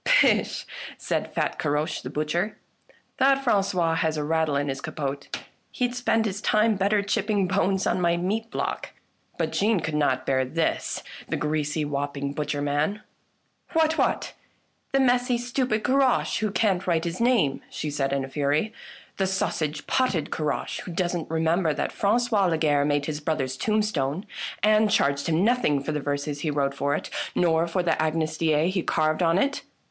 " Pish," said fat Caroche the butcher, " that Fran cois has a rattle in his capote. He'd spend his time bet ter chipping bones on my meat block !" But Jeanne could not bear this — the greasy whop ping butcher man !" What ! what ! the messy stupid Caroche, who can't write his name," she said in a fury, " the sausage potted Caroche, ,who doesn't remember that Franqois La garre made his brother's tombstone, and charged him nothing for the verses he wrote for it, nor for the Agnus 'A WORKER IN STONE 143 Dei he carved on it